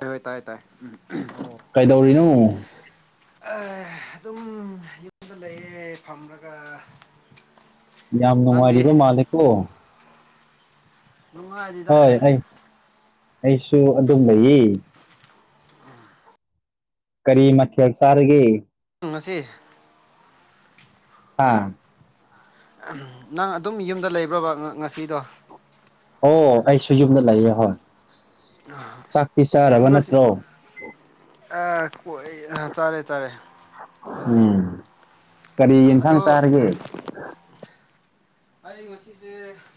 ꯍꯣꯏ ꯇꯥꯏ ꯇꯥꯏ ꯎ ꯑꯣ ꯀꯩꯗꯧꯔꯤꯅꯣ ꯑꯗꯨꯝ ꯌꯨꯝꯗ ꯂꯩꯌꯦ ꯐꯝꯒ ꯌꯥꯝ ꯅꯨꯡꯉꯥꯏꯔꯤꯕ ꯃꯥꯜꯂꯦꯀꯣ ꯁꯉ ꯍꯥꯏꯔꯤꯗ ꯍꯣꯏ ꯑꯩ ꯑꯩꯁꯨ ꯑꯗꯨꯝ ꯂꯩꯌꯦ ꯀꯔꯤ ꯃꯊ ꯆꯥꯔꯒꯦ ꯊꯨꯡꯁꯤ ꯑꯥ ꯅꯪ ꯑꯗꯨꯝ ꯌꯨꯝꯗ ꯂꯩꯕ꯭ꯔꯕ ꯉꯁꯤꯗꯣ ꯑꯣ ꯑꯩꯁꯨ ꯌꯨꯝꯗ ꯂꯩꯌꯦ ꯍꯣꯏ ꯆꯥꯛꯇꯤ ꯆꯥꯔꯕ ꯉꯁꯤ ꯅꯠꯇ꯭ꯔꯣ ꯑꯥ ꯀꯣꯏ ꯆꯥꯔꯦ ꯆꯥꯔꯦ ꯎꯝ ꯀꯔꯤ ꯌꯦꯟꯊꯥꯡ ꯑꯗꯣ ꯆꯥꯔꯒꯦ ꯑꯩ ꯉꯁꯤꯁꯦ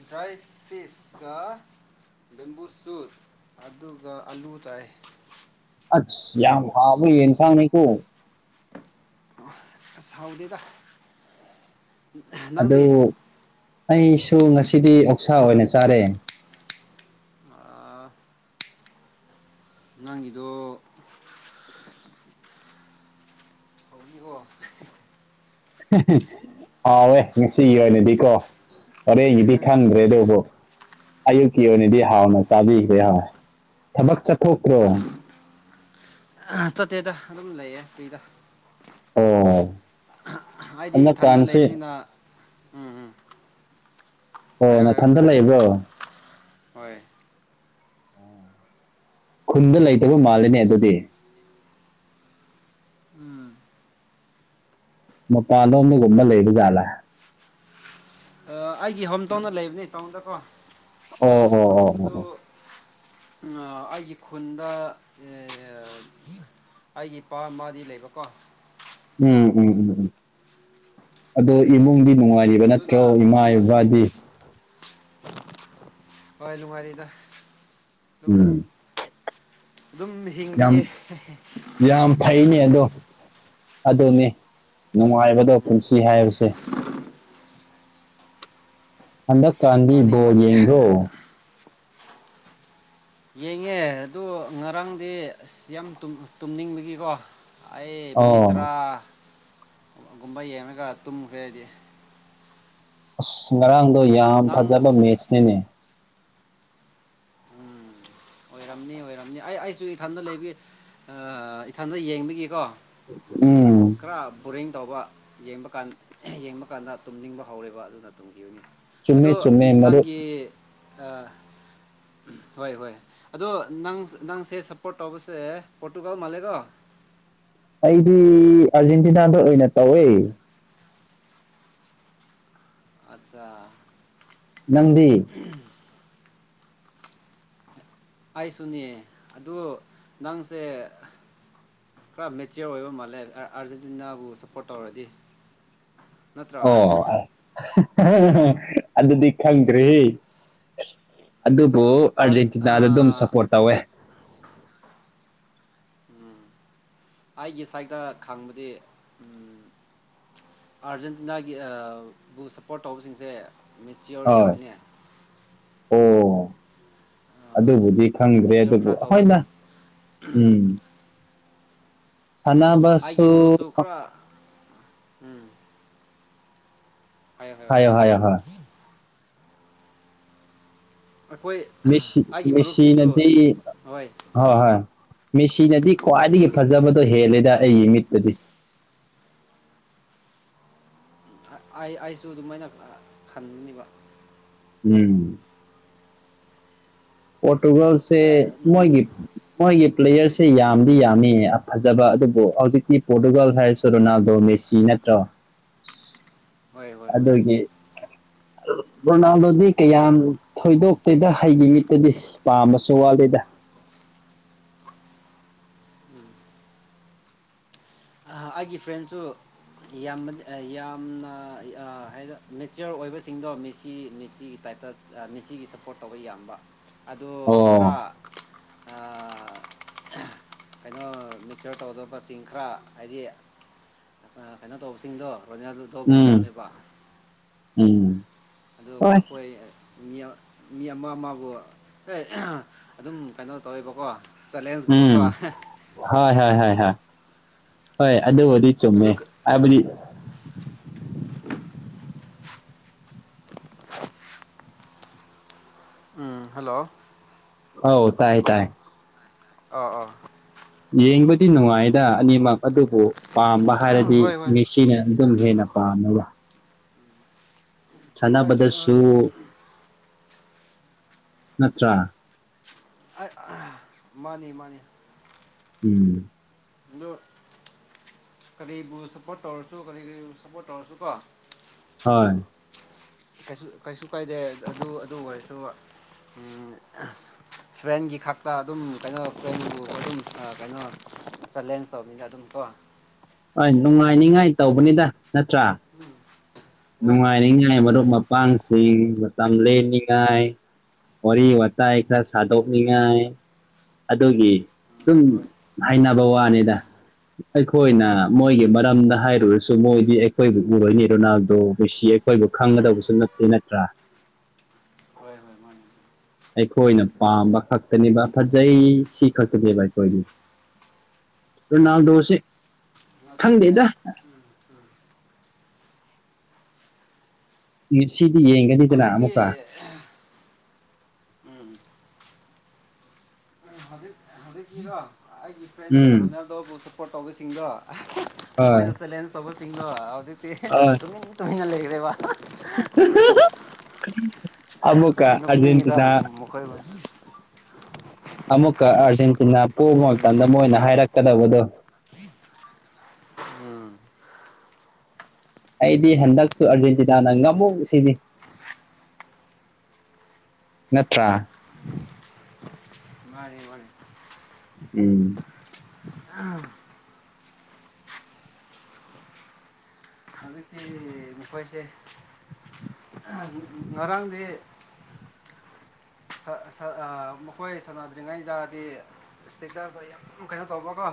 ꯗ꯭ꯔꯥꯏ ꯐꯔꯤꯤꯁꯀ ꯕꯦꯝꯕꯨ ꯁꯨꯠ ꯑꯗꯨꯒ ꯑꯂꯨ ꯇꯥꯏ ꯑ ꯌꯥꯝ ꯍꯥꯕ ꯏꯟꯁꯥꯡꯅꯤꯀꯣ ꯑ ꯁꯥꯎꯅꯦꯗ ꯑꯗꯨ ꯑꯩꯁꯨ ꯉꯁꯤꯗꯤ ꯑꯣꯛꯁꯥ ꯑꯣꯏꯅ ꯆꯥꯔꯦ ꯅꯪꯒꯤꯗ ꯍꯧꯖꯤꯀꯣ ꯍꯥꯎꯋꯦ ꯉꯁꯤꯒꯤ ꯑꯣꯏꯅꯗꯤꯀꯣ ꯑꯔꯦ ꯏꯗꯤ ꯊꯥꯟ ꯔꯦꯗꯣꯕꯣ ꯑꯌꯨꯛꯀꯤ ꯑꯣꯏꯅꯗꯤ ꯍꯥꯟꯅ ꯆꯥꯕꯤꯈ꯭ꯔꯦ ꯍꯣꯏ ꯊꯕꯛ ꯆꯠꯊꯣꯛꯇ꯭ꯔꯣ ꯆꯠꯇꯦꯗ ꯑꯗꯨꯝ ꯂꯩꯌꯦ ꯐ꯭ꯔꯤꯗ ꯑꯣ ꯍꯥꯏꯗꯤ ꯏꯊꯟꯗ ꯍꯟꯗꯛꯀꯥꯟꯁꯦ ꯂꯩꯕꯅꯤꯅ ꯎꯝ ꯎꯝ ꯑꯣ ꯍꯥꯏꯌꯣ ꯍꯥꯏꯌꯣ ꯅꯥꯊꯟꯗ ꯂꯩꯕ꯭ꯔꯣ ꯍꯣꯏ ꯈꯨꯟꯗ ꯂꯩꯇꯕ ꯃꯥꯜꯂꯤꯅꯦ ꯑꯗꯨꯗꯤ ꯎꯝ ꯃꯄꯥꯟꯂꯣꯝꯗꯒꯨꯝꯕ ꯂꯩꯕ ꯖꯥꯠꯂꯥ ꯑꯩꯒꯤ ꯍꯣꯝ ꯇꯥꯎꯟꯗ ꯂꯩꯕꯅꯦ ꯇꯥꯎꯟꯗꯀꯣ ꯑꯣ ꯑꯣ ꯑꯣ ꯑꯗꯨ ꯑꯣ ꯑꯩꯒꯤ ꯈꯨꯟꯗ ꯑꯩꯒꯤ ꯏꯄꯥ ꯃꯗꯤ ꯂꯩꯕꯀꯣ ꯎꯝ -ꯎꯝ- ꯎꯝ- ꯎꯝ ꯑꯗꯣ ꯏꯃꯨꯡꯗꯤ ꯅꯨꯡꯉꯥꯏꯔꯤꯕ ꯅꯠꯇ꯭ꯔꯣ ꯏꯃꯥ ꯏꯕꯥꯗꯤ ꯑꯏ ꯅꯨꯡꯉꯥꯏꯔꯤꯗ ꯑꯗꯨꯝ ꯎꯝ ꯑꯗꯨꯝ ꯌꯥꯝ ꯍꯤꯡꯂꯤꯌꯦ -ꯌꯥꯝ ꯐꯩꯅꯦ ꯑꯗꯣ ꯑꯗꯨꯅꯤ ꯅꯨꯡꯉꯥꯏꯕꯗꯣ ꯄꯨꯟꯁꯤ ꯍꯥꯏꯕꯁꯦ ꯍꯟꯗꯛ ꯀꯥꯟꯗꯤ ꯃꯥꯅꯤ ꯕꯣꯜ ꯃꯥꯅꯤ ꯌꯦꯡꯗ꯭ꯔꯣ ꯌꯦꯡꯉꯦ ꯑꯗꯨ ꯉꯔꯥꯡꯗꯤ ꯑꯁ ꯌꯥꯝ ꯇꯨꯝꯅꯤꯡꯕꯒꯤꯀꯣ ꯑꯩ ꯃꯤꯅꯤꯠ ꯇꯔꯥ ꯑꯣ ꯒꯨꯝꯕ ꯌꯦꯡꯉꯒ ꯇꯨꯝꯈ꯭ꯔꯦ ꯑꯩꯗꯤ ꯑꯁ ꯉꯔꯥꯡꯗꯣ ꯌꯥꯝ ꯅꯪ ꯐꯖꯕ ꯃꯦꯠꯁꯅꯦꯅꯦ ꯎꯝ ꯑꯣꯏꯔꯝꯅꯤ ꯑꯣꯏꯔꯝꯅꯤ ꯑꯩ ꯑꯩꯁꯨ ꯏꯊꯟꯗ ꯂꯩꯕꯒꯤ ꯏꯊꯟꯗ ꯌꯦꯡꯕꯒꯤꯀꯣ ꯎꯝ ꯈꯔ ꯕꯣꯔꯤꯡ ꯇꯧꯕ ꯌꯦꯡꯕ ꯀꯥꯟ ꯌꯦꯡꯕ ꯀꯥꯟꯗ ꯇꯨꯝꯅꯤꯡꯕ ꯍꯧꯔꯦꯕ ꯑꯗꯨꯅ ꯇꯨꯝꯈꯤꯕꯅꯤ ꯑꯗꯣ ꯆꯨꯝꯃꯦ ꯆꯨꯝꯃꯦ ꯃꯔꯨꯞ ꯅꯪꯒꯤ ꯑ ꯍꯣꯏ ꯍꯣꯏ ꯑꯗꯣ ꯅꯪ ꯅꯪꯁꯦ ꯁꯞꯄꯣꯔꯠ ꯇꯧꯕꯁꯦ ꯄꯣꯔꯇꯨꯒꯜ ꯃꯥꯜꯂꯦꯀꯣ ꯑꯩꯗꯤ ꯑꯥꯔꯖꯦꯟꯇꯤꯅꯥꯗ ꯑꯣꯏꯅ ꯇꯧꯋꯦ ꯑꯠꯆꯥ ꯅꯪꯗꯤ ꯑꯩꯁꯨꯅꯦ ꯑꯗꯨ ꯅꯪꯁꯦ ꯈꯔ ꯃꯦꯆꯤꯌꯣꯔ ꯑꯣꯏꯕ ꯃꯥꯜꯂꯦ ꯑꯥꯔꯖꯦꯟꯇꯤꯅꯥꯕꯨ ꯁꯞꯄꯣꯔꯠ ꯇꯧꯔꯗꯤ ꯅꯠꯇ꯭ꯔꯣ ꯑꯣ ꯑꯗꯨꯗꯤ ꯈꯪꯗ꯭ꯔꯦꯍꯦ ꯑꯗꯨꯕꯨ ꯑꯔꯖꯦꯟꯇꯤꯅꯥꯗ ꯑꯗꯨꯝ ꯁꯄꯣꯔꯠ ꯇꯧꯋꯦ [unintelligible] ꯑꯩꯒꯤ ꯁꯥꯏꯗ ꯈꯪꯕꯗꯤ ꯑꯥꯔꯖꯦꯟꯇꯤꯅꯥꯒꯤ ꯕꯨ ꯁꯞꯄꯣꯔꯠ ꯇꯧꯕꯁꯤꯡꯁꯦ ꯃꯦꯆꯤꯌꯣꯔ ꯍꯣꯏ ꯌꯥꯃꯤꯅꯦ ꯑꯣ ꯑꯗꯨꯕꯨꯗꯤ ꯈꯪꯗ꯭ꯔꯦ ꯃꯦꯆꯤꯌꯣꯔ ꯑꯗꯨꯕꯨ ꯈꯔ ꯍꯣꯏꯗ ꯇꯧꯕꯁꯤꯡ ꯎꯝ ꯁꯥꯟꯅꯕꯁꯨ ꯑꯩꯒꯤ ꯃꯔꯨꯞꯁꯨ ꯈꯔ ꯎꯝ ꯍꯥꯏ- ꯍꯥꯏꯣ ꯍꯥꯏꯌꯣ ꯍꯥꯏꯌꯣ ꯍꯣꯏ ꯑꯩꯈꯣꯏ ꯃꯦꯁꯤ ꯑꯩꯒꯤ ꯃꯔꯨꯞꯁꯤꯡꯁꯨ ꯃꯦꯁꯤꯅꯗꯤ ꯍꯣꯏ ꯃꯦꯁꯤꯅꯗꯤ ꯈ꯭ꯋꯥꯏꯗꯒꯤ ꯎꯝ ꯐꯖꯕꯗꯣ ꯍꯦꯜꯂꯦꯗ ꯑꯩꯒꯤ ꯃꯤꯠꯇꯗꯤ ꯑꯩ -ꯑꯩꯁꯨ ꯑꯗꯨꯃꯥꯏꯅ ꯈꯟꯕꯅꯤꯕ ꯎꯝ ꯄꯣꯔꯇꯨꯒꯜꯁꯦ ꯑꯦ ꯎꯝ ꯃꯣꯏꯒꯤ- ꯃꯣꯏꯒꯤ ꯄ꯭ꯂꯦꯌꯔꯁꯦ ꯌꯥꯝꯗꯤ ꯌꯥꯝꯃꯤ ꯐꯖꯕ ꯑꯗꯨꯕꯨ ꯍꯧꯖꯤꯛꯇꯤ ꯄꯣꯔꯇꯨꯒꯥꯜ ꯍꯥꯏꯔꯁꯨ ꯔꯣꯅꯥꯜꯗꯣ ꯃꯦꯁꯤ ꯅꯠꯇ꯭ꯔꯦ ꯠꯇ꯭ꯔꯣ ꯍꯣꯏ ꯍꯣꯏ ꯍꯣꯏ ꯔꯣꯅꯥꯜꯗꯣꯗꯤ ꯀꯌꯥꯝ ꯊꯣꯏꯗꯣꯛꯇꯦꯗ ꯍꯩꯒꯤ ꯃꯤꯠꯇꯗꯤ ꯄꯥꯝꯃꯁꯨ ꯋꯥꯠꯂꯤꯦꯗ [unintelligible] ꯎꯝ ꯑꯩꯒꯤ ꯐ꯭ꯔꯦꯟꯁꯨ ꯌꯥꯝ ꯌꯥꯝꯅ ꯍꯥꯏ ꯃꯦꯆꯌꯣꯔ ꯑꯣꯏꯕꯁꯤꯡꯗꯣ ꯃꯦꯁꯤ ꯃꯦꯁꯤꯒꯤ ꯇꯥꯏ ꯃꯦꯁꯤꯒꯤ ꯁꯞꯄꯣꯔꯠ ꯇꯧꯕ ꯌꯥꯝꯕ ꯑꯗꯣ ꯑꯣ ꯈꯔ ꯀꯩꯅꯣ ꯃꯤꯛꯆꯔ ꯇꯧꯗꯕꯁꯤꯡ ꯈꯔ ꯍꯥꯏꯗꯤ ꯀꯩꯅꯣ ꯇꯧꯕꯁꯤꯡꯗꯣ ꯍꯅ ꯑꯗꯨꯗꯣꯕꯨ ꯎꯝ ꯌꯥꯝꯃꯦꯕ [inaudible] ꯎꯝ ꯑꯗꯨ ꯍꯣꯏ ꯑꯩꯈꯣꯏ ꯃꯤ ꯃꯤ ꯑꯃ ꯑꯃꯕꯨ ꯑꯦ ꯑꯗꯨꯝ ꯀꯩꯅꯣ ꯇꯧꯋꯦꯕꯀꯣ ꯆꯦꯂꯦꯟꯖꯀꯨꯝꯕꯀꯣ ꯎꯝ ꯍꯣꯏ ꯍꯣꯏ ꯍꯣꯌ ꯑꯗꯣ ꯑꯣꯏꯗꯤ ꯆꯨꯝꯃꯦ ꯑꯗꯨ ꯍꯥꯏꯕꯗꯤ ꯎꯝ ꯍꯜꯂꯣ ꯍ ꯇꯥꯏ ꯇꯥꯏ ꯑꯥ ꯑꯥ ꯌꯦꯡꯕꯗꯤ ꯅꯨꯡꯉꯥꯏꯗ ꯑꯅꯤꯃꯛ ꯑꯗꯨꯕꯨ ꯄꯥꯝꯕ ꯑꯥ ꯍꯥꯏꯔꯗꯤ ꯍꯣꯏ ꯍꯣꯏ ꯃꯤꯁꯤꯅ ꯑꯗꯨꯝ ꯍꯦꯟꯅ ꯄꯥꯝꯃꯦ ꯌꯥꯏ ꯎꯝ ꯁꯂꯕꯗꯁꯨ ꯅꯠꯇ꯭ꯔ ꯃꯥꯅꯤ ꯃꯥꯅꯤ ꯎꯝ ꯑꯗꯨ ꯀꯔꯤꯕꯨ ꯁꯞꯄꯣꯔꯠ ꯇꯧꯔꯁꯨ ꯀꯔꯤ ꯁꯞꯄꯣꯔꯠ ꯇꯧꯔꯁꯨ ꯀꯣ ꯍꯣꯏ ꯀꯩꯁꯨ ꯀꯥꯏꯗꯦ ꯑꯗꯨ ꯑꯗꯨ ꯑꯣꯏꯔꯁꯨ ꯐ꯭ꯔꯦꯟꯒꯤ ꯈꯛꯇ ꯑꯗꯨꯝ ꯀꯩꯅꯣ ꯐ꯭ꯔꯦꯟꯕꯨ ꯑꯗꯨꯝ ꯀꯩꯅꯣ ꯆꯦꯂꯦꯟꯖ ꯇꯧꯕꯅꯤꯅ ꯑꯗꯨꯝꯀꯣ ꯍꯣꯏ ꯅꯨꯡꯉꯥꯏꯅꯤꯉꯥꯏ ꯇꯧꯕꯅꯤꯗ ꯅꯠꯇ꯭ꯔꯥ ꯍꯣꯏ ꯍꯣꯏ ꯍꯣꯏ ꯅꯨꯡꯉꯥꯏꯅꯤꯡꯉꯥꯏ ꯃꯥꯅꯤ ꯃꯔꯨꯞ ꯃꯥꯅꯤ ꯃꯄꯥꯡꯁꯤꯡ ꯂꯦꯟꯅꯤꯉꯥꯏ ꯋꯥꯔꯤ ꯋꯥꯇꯥꯏ ꯈꯔ ꯁꯥꯗꯣꯛꯅꯤꯉꯥꯏ ꯑꯗꯨꯒꯤ ꯎꯝ ꯑꯗꯨꯝ ꯍꯣꯏ ꯍꯥꯏꯅꯕ ꯋꯥꯅꯤꯗ ꯑꯩꯈꯣꯏꯅ ꯃꯣꯏꯒꯤ ꯃꯔꯝꯗ ꯍꯥꯏꯔꯨꯔꯁꯨ ꯃꯣꯏꯗꯤ ꯑꯩꯈꯣꯏꯕꯨ ꯎꯔꯣꯏꯅꯤ ꯔꯣꯅꯥꯜ ꯑꯗꯣ ꯃꯁꯤꯁꯤ ꯑꯩꯈꯣꯏꯕꯨ ꯈꯪꯒꯗꯧꯕꯁꯨ ꯅꯠꯇꯦ ꯅꯠꯇ꯭ꯔꯥ ꯍꯣꯏ ꯍꯣꯏ ꯃꯥꯅꯤ ꯑꯩꯈꯣꯏꯅ ꯄꯥꯝꯕ ꯈꯛꯇꯅꯦꯕ ꯐꯖꯩ ꯁꯤ ꯈꯛꯇꯅꯦꯕ ꯑꯩꯈꯣꯏꯗꯤ ꯔꯣꯅꯥꯜꯗꯣꯁꯤ ꯉꯁꯤꯁꯦ ꯎꯝ ꯎꯝ ꯃꯦꯁꯤꯗꯤ ꯌꯦꯡꯒꯅꯤꯗꯅ ꯍꯧꯖꯤꯛꯇꯤ ꯑꯃꯨꯛꯀ ꯎꯝ ꯍꯧꯖꯤꯛ ꯍꯧꯖꯤꯛꯀꯤꯔꯣ ꯑꯩꯒꯤ ꯐ꯭ꯔꯦꯟ ꯎꯝ ꯔꯣꯅꯥꯜꯗꯣꯕꯨ ꯁꯞꯄꯣꯔꯠ ꯇꯧꯕꯁꯤꯡꯗꯣ ꯑꯁ ꯍꯣꯏ ꯃꯈꯣꯏꯅ ꯆꯦꯂꯦꯟꯖ ꯇꯧꯕꯁꯤꯡꯗꯣ ꯍꯧꯖꯤꯛꯇꯤ ꯇꯨꯃꯤꯡ ꯇꯨꯃꯤꯟꯅ ꯂꯩꯈ꯭ꯔꯦꯕ ꯑꯃꯨꯀꯥ ꯅꯣꯛꯅꯤꯡꯉꯤꯗ ꯑꯔꯖꯦꯟꯇꯤꯅꯥ ꯃꯈꯣꯏꯕꯨ ꯑꯃꯨꯛꯀ ꯑꯥꯔꯖꯦꯟꯇꯤꯅꯥ ꯄꯣꯛꯕ ꯎꯝ ꯃꯇꯝꯗ ꯃꯣꯏꯅ ꯍꯥꯏꯔꯛ ꯍꯥꯏꯔꯛ ꯀꯥꯗꯧꯕꯗꯤ ꯎꯝ ꯑꯩꯗꯤ ꯍꯟꯗꯛꯁꯨ ꯑꯥꯔꯖꯦꯟꯇꯤꯅꯥꯅ ꯉꯝꯃꯨ ꯁꯤꯅꯤ ꯅꯠꯇ꯭ꯔꯥ ꯃꯥꯅꯤ ꯃꯥꯅꯤ ꯎꯝ ꯑꯩꯈꯣꯏꯁꯦ ꯉꯔꯥꯡꯗꯤ ꯃꯈꯣꯏ ꯁꯥꯟꯅꯗ꯭ꯔꯤꯉꯩꯗꯗꯤ ꯏꯁꯇꯦꯇꯁ ꯌꯥꯝ ꯀꯩꯅꯣ ꯇꯧꯕꯀꯣ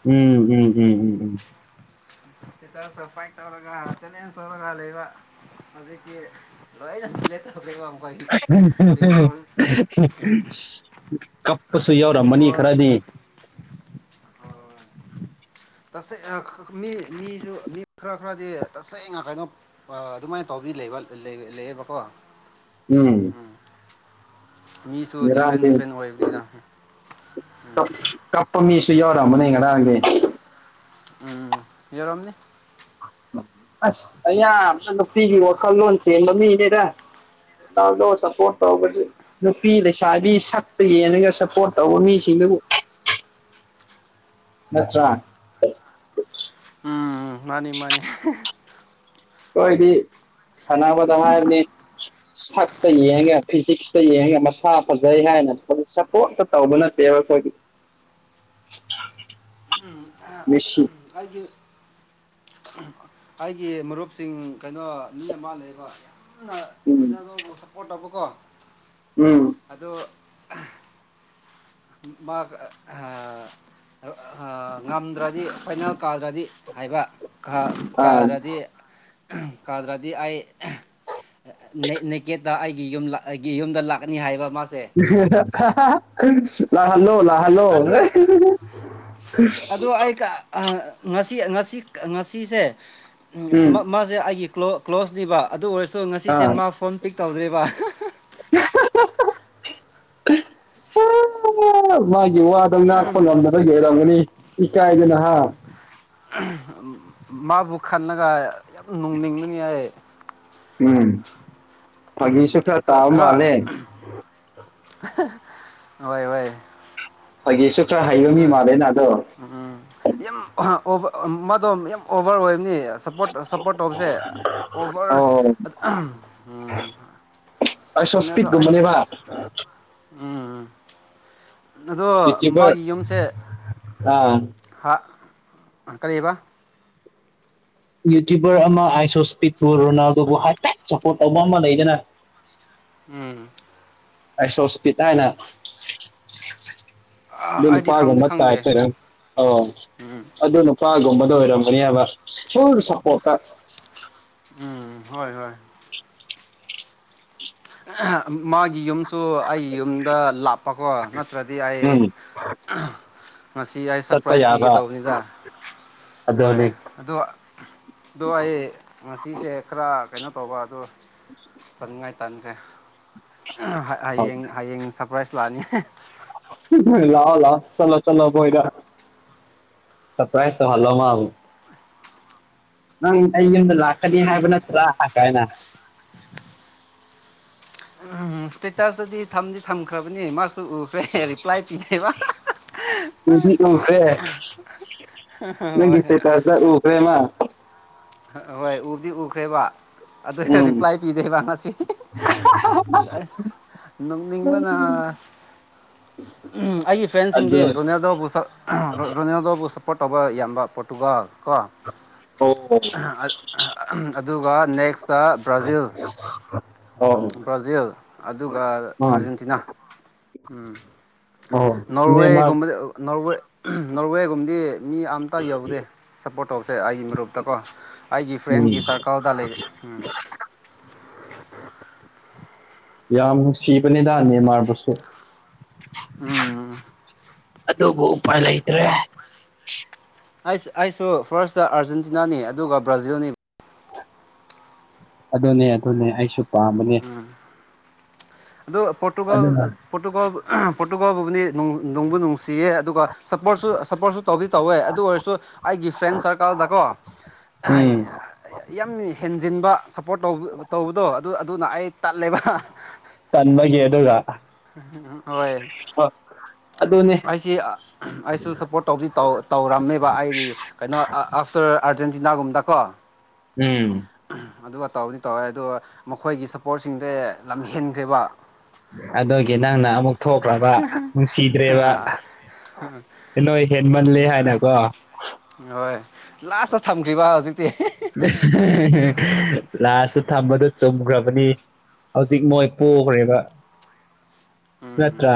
ꯎꯝ ꯎꯝ ꯎꯝ ꯏꯁꯇꯦꯇꯁ ꯐꯥꯏꯠ ꯇꯧꯔꯒ ꯆꯦꯂꯦꯟꯖ ꯇꯧꯔꯒ ꯂꯩꯕ ꯍꯧꯖꯤꯛꯇꯤ ꯂꯣꯏꯔꯦ ꯍꯤ ꯍꯤ ꯍꯤ ꯍꯤ ꯍꯤ ꯀꯞꯄꯁꯨ ꯇ꯭ꯋꯦꯟꯇꯤ ꯌꯥꯎꯔꯝꯃꯅꯤ ꯐꯣꯔ ꯈꯔꯗꯤ ꯃꯤ ꯃꯤꯁꯨ ꯃꯤ ꯈꯔ ꯈꯔꯗꯤ ꯇꯁꯦꯡꯅ ꯀꯩꯅꯣ ꯑꯗꯨꯃꯥꯏꯅ ꯇꯧꯕꯤ ꯑꯗꯨ ꯂꯩ ꯂꯩꯌꯦꯕꯀꯣ ꯎꯝ ꯃꯤꯁꯨ ꯗꯤꯐ꯭ꯔꯦꯟ ꯃꯔꯁꯤ ꯗꯤꯐ꯭ꯔꯦꯟ ꯑꯣꯏꯕꯅꯤꯅ ꯀ ꯎꯝ ꯀꯞꯄ ꯃꯤꯁ ꯁꯌꯥ ꯑꯣꯏꯔꯃꯅꯤ ꯉꯗꯥꯗꯤ ꯎꯝ ꯌꯔꯣꯝꯅꯤ ꯑꯁ ꯑ ꯅꯨꯄꯤꯒꯤ ꯋꯥꯈꯜꯂꯣꯟ ꯆꯦꯟꯕ ꯃꯤꯅꯦꯔ ꯅꯣ ꯁꯞꯄꯣꯔꯠ ꯇꯧꯕ ꯅꯨꯄꯤ ꯂꯩꯁꯥꯕꯤ ꯁꯛꯇ ꯌꯦꯡꯉꯒ ꯁꯞꯄꯣꯔꯠ ꯇꯧꯕ ꯃꯤꯁꯤꯡꯗꯨꯕꯨ ꯎ ꯅꯠꯇ꯭ꯔ ꯎꯝ ꯃꯥꯅꯤ ꯃꯥꯅꯤ ꯑꯩꯈꯣꯏꯗꯤ ꯁꯥꯟꯅꯕꯗ ꯍꯥꯏꯔꯗꯤ ꯁꯛꯇ ꯌꯦꯡꯒ ꯐꯤꯖꯤꯛꯁꯇ ꯌꯦꯡꯉ ꯃꯁꯥ ꯐꯖꯩ ꯍꯥꯏꯔ ꯁꯞꯄꯣꯔꯠꯇ ꯇꯧꯕ ꯅꯠꯇꯦꯕ ꯑꯩꯈꯣꯏꯒꯤ ꯎꯝ ꯎꯝ ꯑꯩꯒꯤ ꯃꯔꯨꯞꯁꯤꯡ ꯀꯩꯅꯣ ꯃꯤ ꯑꯃ ꯂꯩꯕ ꯎꯝ ꯔꯣꯅꯥꯜꯗꯣꯕꯨ ꯁꯞꯄꯣꯔꯠ ꯇꯧꯕ ꯀꯣ ꯎꯝ ꯑꯗꯣ ꯃꯥ ꯉꯝꯗ꯭ꯔꯗꯤ ꯐꯥꯏꯅꯦꯜ ꯀꯥꯗ꯭ꯔꯗꯤ ꯍꯥꯏꯕ ꯀꯗ꯭ꯔꯗꯤ ꯀꯥꯗ꯭ꯔꯗꯤ ꯑꯩ ꯅꯦꯀꯦꯠꯇ ꯑꯩꯒꯤ ꯌ ꯌꯨꯝꯗ ꯂꯥꯛꯀꯅꯤ ꯍꯥꯏꯕ ꯃꯥꯁꯦ ꯂꯜꯂꯣ ꯂ ꯍꯜꯂꯣ ꯑꯗꯨ ꯑꯗꯨ ꯑꯩ ꯉꯁꯤ ꯉꯁꯤ ꯉꯁꯤꯁꯦ ꯎꯝ ꯃꯥꯁꯦ ꯑꯩꯒꯤ ꯀ꯭ꯂꯣꯖꯅꯦꯕ ꯑꯗꯨ ꯑꯣꯏꯔꯁꯨ ꯁꯣ ꯉꯁꯤꯁꯦ ꯃꯥ ꯐꯣꯝ ꯄꯤꯛ ꯇꯧꯗ꯭ꯔꯤꯕ ꯍꯍ ꯎ ꯎ ꯃꯥꯒꯤ ꯋꯥꯗ ꯉꯥꯛꯄ ꯉꯝꯗꯅ ꯂꯩꯔꯝꯃꯅꯤ ꯏꯀꯥꯏꯗꯅ ꯍꯥ ꯃꯥꯕꯨ ꯈꯜꯂꯒ ꯌꯥꯝ ꯅꯣꯛꯅꯤꯡꯕꯅꯤ ꯑꯩ ꯎꯝ ꯐꯥꯒꯤꯁꯨ ꯈꯔ ꯇꯥꯕ ꯀꯔ ꯃꯥꯜꯂꯦ ꯋꯥꯏ ꯋꯥꯏ [unintelligible] ꯃꯤ ꯑꯗꯨꯒ ꯃꯥꯜꯂꯦꯅ ꯑꯗꯣ ꯎ ꯎ ꯌꯥꯝ ꯑꯍ ꯃꯗꯣꯝ ꯌꯥꯝ ꯑꯣꯚꯔ ꯑꯣꯏꯕꯅꯤ ꯁꯄꯣꯔꯠ ꯁꯞꯄꯣꯔꯠ ꯇꯧꯕꯁꯦ ꯑꯣꯕꯔ ꯑꯣ ꯄꯥꯏꯁꯣꯁꯄꯤꯠꯗꯕꯅꯦꯕ ꯎꯝ ꯑꯗꯣ ꯌꯨꯇ꯭ꯌꯨꯕꯔ ꯃꯥꯒꯤ ꯌꯨꯝꯁꯦ ꯑꯥ ꯑꯪ ꯀꯔꯤꯕ ꯌꯨꯇ꯭ꯌꯨꯕꯔ ꯑꯃ ꯑꯥꯏꯁꯣꯁꯄꯤꯠꯄꯨ ꯔꯣꯅꯥꯜꯗꯣꯕꯨ ꯍꯥꯏꯐꯦꯠ ꯁꯞꯄꯣꯔꯠ ꯇꯧꯕ ꯑꯃ ꯂꯩꯗꯅ [inaudible] ꯎꯝ ꯑꯩꯁꯣꯁꯄꯤꯠ ꯍꯥꯏꯅ ꯂꯤꯂ ꯑꯩꯗꯤ ꯄꯒ ꯈꯪꯗꯤ ꯃꯠꯇ ꯈꯪꯗꯦ ꯍꯥꯏꯇꯦꯔꯦ ꯑꯣ ꯎꯝ ꯑꯗꯨ ꯅꯨꯄꯥꯒꯨꯝꯕꯗ ꯑꯣꯏꯔꯝꯃꯅꯦꯕ ꯐꯨꯜ ꯁꯄꯣꯔꯠꯇ ꯎꯝ ꯍꯣꯏ ꯍꯣꯏ ꯃꯥꯒꯤ ꯌꯨꯝꯁꯨ ꯑꯩꯒꯤ ꯌꯨꯝꯗ ꯂꯥꯞꯄꯀꯣ ꯅꯠꯇ꯭ꯔꯗꯤ ꯑꯩ ꯎꯝ ꯉꯁꯤ ꯑꯩ ꯆꯠꯄ ꯁꯔꯄ꯭ꯔꯥꯏꯁ ꯄꯤꯒꯦ ꯌꯥꯕ ꯇꯧꯕꯅꯤꯗ ꯍꯣꯏ ꯑꯗꯨꯅꯤ ꯑꯣ ꯑꯣ ꯑꯩ ꯉꯁꯤꯁꯦ ꯈꯔ ꯀꯩꯅꯣ ꯇꯧꯕ ꯑꯗꯨ ꯆꯅꯤꯡꯉꯥꯏ ꯇꯟꯈ꯭ꯔꯦ ꯍꯌꯦꯡ ꯍꯌꯦꯡ ꯁꯔꯄ꯭ꯔꯥꯏꯖ ꯂꯥꯛꯑꯅꯤ ꯆꯂꯣ ꯆꯂꯣ ꯣꯏꯗ ꯁꯔꯄ꯭ꯔꯥꯏꯖ ꯍꯜꯂꯣ ꯃꯥ ꯅꯪ ꯑꯩ ꯌꯨꯝꯗ ꯂꯥꯛꯀꯅꯤ ꯍꯥꯏꯕ ꯅꯠꯇ ꯂ ꯆꯥꯏꯅꯥ ꯎꯝ ꯏꯁꯇꯦꯇꯁꯇꯗꯤ ꯊꯝꯗꯤ ꯊꯝꯈ꯭ꯔꯕꯅꯤ ꯃꯥꯁꯨ ꯎꯈ꯭ꯔꯦ ꯔꯤꯄ꯭ꯂꯥꯏ ꯄꯤꯅꯩꯕ ꯎꯈꯔꯦ ꯍꯣꯏ ꯅꯁꯦ ꯇ ꯆ ꯎꯈꯔꯦ ꯃꯥ ꯑꯍꯣꯏ ꯎꯕꯗꯤ ꯎꯈ꯭ꯔꯦꯕ ꯑꯗꯨ ꯎꯝ ꯔꯤꯄ꯭ꯂꯥꯏ ꯄꯤꯗꯣꯏꯦꯕ ꯉꯁꯤ ꯑꯗ ꯑꯁ ꯅꯣꯛꯅꯤꯡꯕꯅ ꯑꯩꯒꯤ ꯐ꯭ꯔꯦꯟꯁꯤꯡꯗꯤ ꯑꯗꯨ ꯔꯣꯅꯦꯜꯗꯣꯕꯨ ꯔꯣꯅꯦꯜꯗꯣꯕꯨ ꯁꯞꯄꯣꯔꯠ ꯇꯧꯕ ꯌꯥꯕ ꯄꯣꯣꯔꯇꯨꯒꯥꯜ ꯍ ꯑꯗꯨꯒ ꯅꯦꯛ ꯎ ꯕ꯭ꯔꯥꯖꯤꯜ ꯑꯗꯨꯒ ꯑꯥ ꯑꯥꯔꯖꯦꯟꯇꯤꯅꯥ ꯎꯝ ꯑꯣ ꯅꯦꯃꯥꯔ ꯅꯣꯔꯋꯦꯒꯨꯝꯕ ꯅꯋꯦ ꯅꯣꯔꯋꯦꯒꯨꯝꯕꯗꯤ ꯃꯤ ꯑꯇ ꯌꯧꯗꯦ ꯁꯞꯄꯣꯔꯠ ꯇ ꯇꯣꯛꯞꯁꯦ ꯑꯩꯒꯤ ꯃꯔꯨꯞꯇꯀꯣ ꯑꯩꯒꯤ ꯎꯝ ꯐ꯭ꯔꯦꯟꯒꯤ ꯁꯥꯔꯀꯜꯗ ꯂꯩꯕ ꯎꯝ ꯌꯥꯝ ꯅꯨꯡ ꯁꯤꯕꯅꯤꯗꯥꯅꯤ ꯃꯥꯕꯁꯨ ꯎꯝ ꯑꯗꯨꯗ ꯎꯄꯥꯏ ꯂꯩꯏꯇ꯭ꯔꯦ ꯑꯩꯁꯨ ꯐꯥꯔꯁꯇ ꯑꯥꯔꯖꯦꯟꯇꯤꯅꯥꯅꯤ ꯑꯗꯨꯒ ꯕ꯭ꯔꯥꯖꯤꯜꯅꯤ ꯑꯗꯣꯅꯦ ꯑꯗꯣꯅꯦ ꯎꯝ ꯑꯗꯨ ꯄꯣꯔꯇꯨꯒꯜ ꯑꯗꯨꯅ ꯄꯣꯔꯇꯨꯒꯜ ꯄꯣꯔꯇꯨꯒꯜꯕꯨꯅꯤ ꯅꯣꯡꯕꯨ ꯅꯨꯡꯁꯤꯌꯦ ꯑꯗꯨꯒ ꯁꯞꯄꯣꯔꯠꯁꯨ ꯁꯞꯄꯣꯔꯠꯁꯨ ꯇꯧꯗꯤ ꯇꯧꯋꯦ ꯑꯗꯨ ꯑꯣꯏꯔꯁꯨ ꯑꯩꯒꯤ ꯐ꯭ꯔꯦꯟ ꯁꯔꯀꯜꯗꯀꯣ ꯎꯝ ꯌꯥꯝꯃꯤ ꯍꯦꯟꯖꯤꯟꯕ ꯁꯞꯄꯣꯔꯠ ꯇꯧꯕꯗꯣ ꯑꯗꯨ ꯑꯗꯨꯅ ꯑꯩ ꯇꯠꯂꯦꯕ ꯆꯟꯕꯒꯤ ꯑꯗꯨꯒ ꯑꯣꯏꯣꯏ ꯑꯗꯨꯅꯦ ꯑꯩꯁꯤ ꯑꯩꯁꯨ ꯁꯞꯄꯣꯔꯠ ꯇꯧꯕꯗꯤ ꯇꯧꯔꯝꯃꯦꯕ ꯑꯩꯒꯤ ꯀꯩꯅꯣ ꯑꯥꯐꯇꯔ ꯑꯥꯔꯖꯦꯟꯇꯤꯅꯥꯒꯨꯝꯗꯀꯣ ꯎꯝ ꯑꯗꯨꯒ ꯇꯧꯗꯤ ꯇꯧꯋꯦ ꯑꯗꯣ ꯃꯈꯣꯏꯒꯤ ꯏꯁꯄꯣꯔꯠꯁꯤꯡꯁꯦ ꯂꯝꯍꯦꯟꯈ꯭ꯔꯦꯕ ꯑꯗꯨꯒꯤ ꯅꯪꯅ ꯑꯃꯨꯛ ꯊꯣꯛꯈ꯭ꯔꯕ ꯅꯨꯡꯁꯤꯗ꯭ꯔꯦꯕ ꯀ ꯅꯣꯏ ꯍꯦꯟꯃꯜꯂꯦ ꯍꯥꯏꯅꯀꯣ ꯍꯣꯏ ꯂꯥꯁꯇ ꯊꯝꯈ꯭ꯔꯤꯕ ꯍꯧꯖꯤꯛ [unintelligible] ꯂꯥꯁꯁꯨ ꯊꯝꯕꯗꯨ ꯆꯨꯝꯈ꯭ꯔꯕꯅꯤ ꯍꯧꯖꯤꯛ ꯃꯣꯏ ꯄꯣꯛꯈ꯭ꯔꯦꯕ ꯎꯝ ꯎꯝ